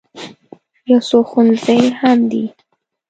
یو څو ښوونځي هم دي.